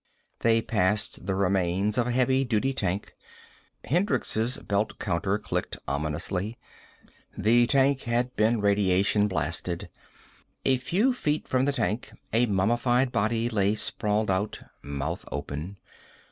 They passed the remains of a heavy duty tank. Hendricks' belt counter clicked ominously. The tank had been radiation blasted. A few feet from the tank a mummified body lay sprawled out, mouth open.